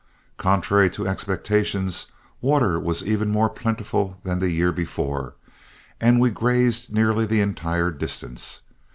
Contrary to expectations, water was even more plentiful than the year before, and we grazed nearly the entire distance.